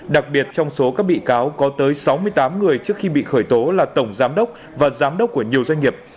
đặc biệt trong số các bị cáo có tới sáu mươi tám người trước khi bị khởi tố là tổng giám đốc và giám đốc của nhiều doanh nghiệp